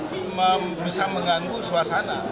memang bisa mengganggu suasana